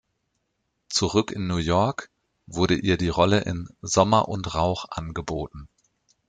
Zurück in New York wurde ihr die Rolle in "Sommer und Rauch" angeboten.